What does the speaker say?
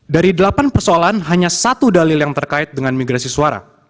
dari delapan persoalan hanya satu dalil yang terkait dengan migrasi suara